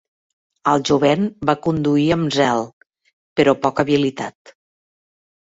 El jovent va conduir amb zel, però poca habilitat.